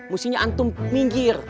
mustinya antum minggir